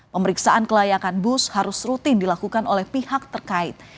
pemeriksaan kelayakan bus harus rutin dilakukan oleh pihak terkait